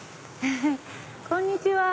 こんにちは！